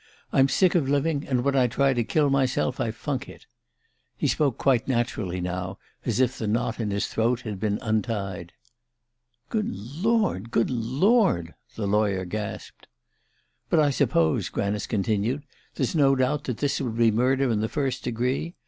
I'm sick of living, and when I try to kill myself I funk it." He spoke quite naturally now, as if the knot in his throat had been untied. "Good Lord good Lord," the lawyer gasped. "But I suppose," Granice continued, "there's no doubt this would be murder in the first degree?